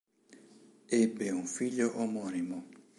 Ebbe un figlio omonimo.